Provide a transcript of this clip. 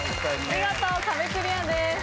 見事壁クリアです。